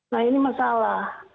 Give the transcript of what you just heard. nah ini masalah